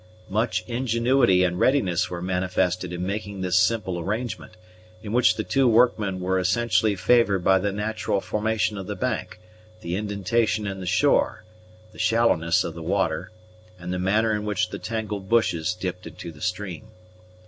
Much ingenuity and readiness were manifested in making this simple arrangement, in which the two workmen were essentially favored by the natural formation of the bank, the indentation in the shore, the shallowness of the water, and the manner in which the tangled bushes dipped into the stream.